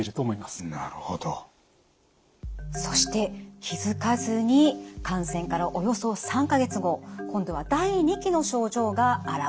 そして気付かずに感染からおよそ３か月後今度は第２期の症状が現れます。